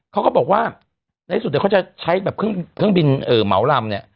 เขาก็บอกว่าในสุดเดี๋ยวเขาจะใช้แบบเครื่องบินเหมาลำเนี่ย